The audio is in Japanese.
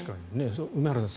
梅原さん